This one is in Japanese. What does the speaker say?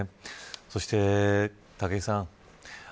そして武井さん。